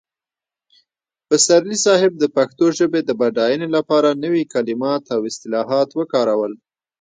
پسرلي صاحب د پښتو ژبې د بډاینې لپاره نوي کلمات او اصطلاحات وکارول.